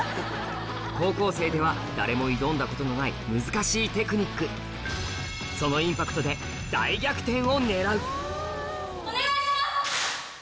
高校生では誰も挑んだことのない難しいテクニックそのインパクトで大逆転を狙うお願いします！